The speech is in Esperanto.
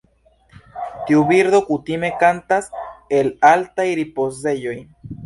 Tiu birdo kutime kantas el altaj ripozejoj.